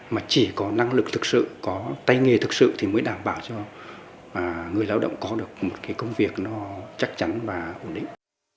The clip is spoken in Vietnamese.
mà chỉ có năng lực thực sự có tay nghề thực sự thì mới đảm bảo cho người lao động có được một cái công việc nó chắc chắn và ổn định